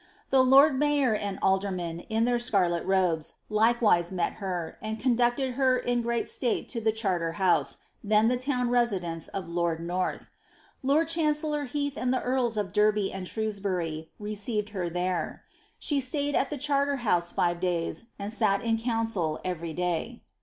The lord mayor and aldermen, in their scarlet gowns, likewise fliet her, and conducted her in great state to the Charter House, then the lovn residence of lord North. Lord chancellor Heath and the earls of Derby and Shrewsbury, received her there. She stayed at the Charter House Are days, and sat in council every day.'